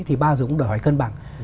thì ba dũng đòi hỏi cân bằng